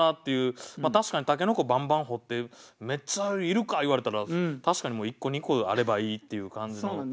確かに筍ばんばん掘ってめっちゃいるか言われたら確かに１個２個あればいいっていう感じの。